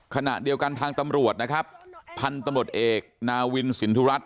ขณะเดียวกันทางตำรวจนะครับพันธุ์ตำรวจเอกนาวินสินทุรัตน